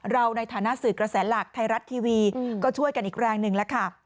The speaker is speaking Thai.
เราในฐานะสื่อกระแสหลักไทยรัฐทีวีก็ช่วยกันอีกแรงหนึ่งแล้วค่ะ